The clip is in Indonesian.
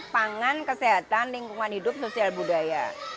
pangan kesehatan lingkungan hidup sosial budaya